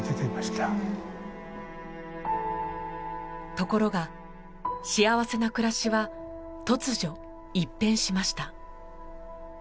ところが幸せな暮らしは突如一変しました。